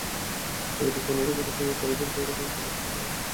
একাদশ শ্রেণিতে পড়ার সময় কলেজের বাইরের কয়েকজনের সঙ্গে তাঁর বন্ধুত্ব হয়।